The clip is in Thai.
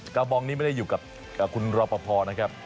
กระบองนี้ไม่ได้อยู่กับคุณรอปภนะครับ